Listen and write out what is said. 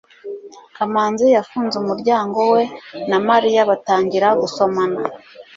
kamanzi yafunze umuryango we na mariya batangira gusomana